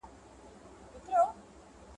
پوهه د انسان شخصیت ته رڼا او ښکلا ورکوي.